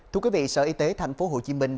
thưa quý vị sở y tế thành phố hồ chí minh